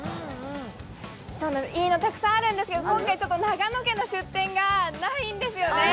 いいのたくさんあるんですけど、今回長野県の出店がないんですよね。